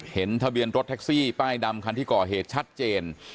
เห็นทะเบียนรถแท็กซี่ป้ายดำคันที่ก่อเหตุชัดเจน